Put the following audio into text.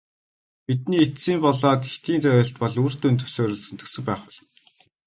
Бидний эцсийн болоод хэтийн зорилт бол үр дүнд суурилсан төсөв байх болно.